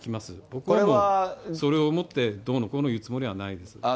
僕はもう、それをもってどうのこうの言うつもりはないです。